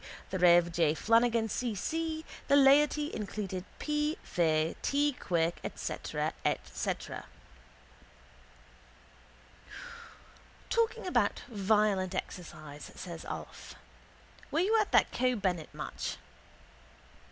the rev. J. Flanagan, C. C. The laity included P. Fay, T. Quirke, etc., etc. —Talking about violent exercise, says Alf, were you at that Keogh Bennett match?